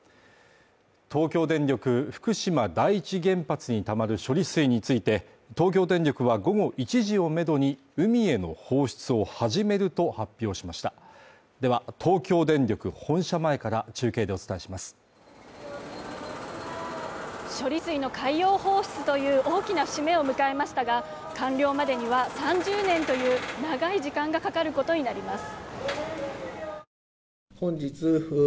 東京電力・福島第一原発にたまる処理水について東京電力は午後１時をめどに海への放出を始めると発表しましたでは東京電力本社前から中継でお伝えします処理水の海洋放出という大きな節目を迎えましたが完了までには３０年という長い時間がかかることになります